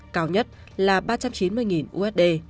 cao nhất là ba trăm chín mươi usd